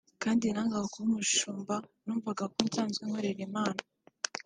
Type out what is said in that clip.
kandi nangaga kuba umushumba numvaga ko nsanzwe nkorera Imana